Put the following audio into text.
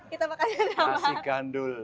kita makan siang terlambat kasih gandul